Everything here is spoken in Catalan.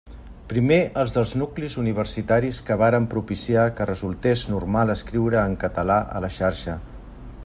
Primer els dels nuclis universitaris que varen propiciar que resultés normal escriure en català a la xarxa.